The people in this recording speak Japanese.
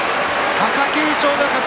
貴景勝の勝ち。